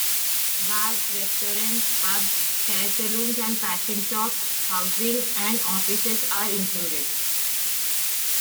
Bars, restaurants, pubs, hair salons and fashion shops, housing and offices are included.